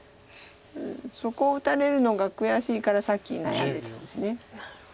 そこを打たれるのが悔しいからさっき悩んでたんです。